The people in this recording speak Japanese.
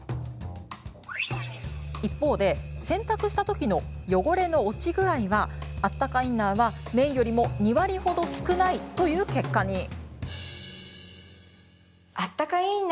一方で、洗濯したときの汚れの落ち具合はあったかインナーは綿よりも２割ほど少ないという結果に。